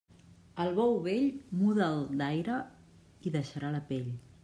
Al bou vell, muda'l d'aire i deixarà la pell.